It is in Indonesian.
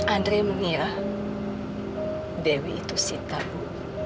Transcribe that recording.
andre mengira dewi itu sita ibu